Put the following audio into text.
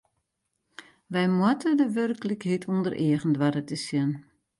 Wy moatte de werklikheid ûnder eagen doare te sjen.